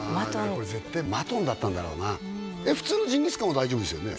あこれ絶対マトンだったんだろうな普通のジンギスカンは大丈夫ですよね？